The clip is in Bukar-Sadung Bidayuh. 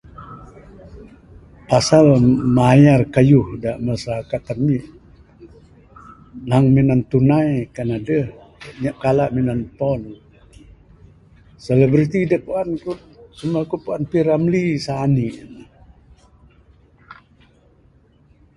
Pasal mayar kayuh da masyarakat ami naung minan tunai kan adeh anyap minan ton...selebriti da puan ku cuma ku puan P Ramlee sanik.